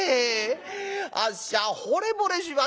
あっしゃほれぼれしましたよ」。